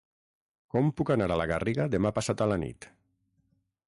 Com puc anar a la Garriga demà passat a la nit?